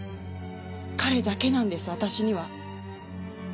彼だけなんです私には。